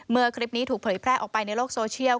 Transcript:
เมื่อคลิปนี้ถูกผลิแพร่ออกไปในโลกโซเชียล